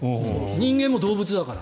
人間も動物だから。